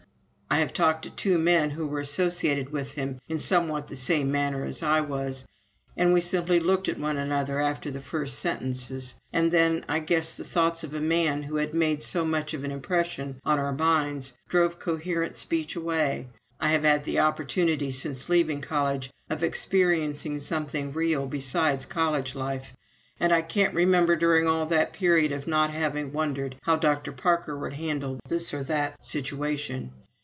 I have talked to two men who were associated with him in somewhat the same manner as I was, and we simply looked at one another after the first sentences, and then I guess the thoughts of a man who had made so much of an impression on our minds drove coherent speech away. ... I have had the opportunity since leaving college of experiencing something real besides college life and I can't remember during all that period of not having wondered how Dr. Parker would handle this or that situation.